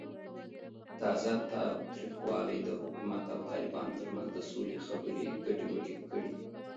تازه تاوتریخوالی د حکومت او طالبانو ترمنځ د سولې خبرې ګډوډې کړې.